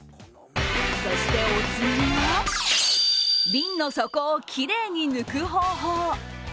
そして、お次は瓶の底をきれいに抜く方法。